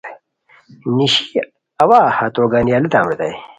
نیشی اوا ہتو گانی الاتام ریتائے